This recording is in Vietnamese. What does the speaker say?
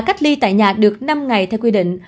cách ly tại nhà được năm ngày theo quy định